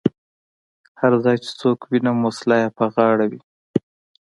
هر ځای چې څوک وینم وسله یې پر غاړه وي.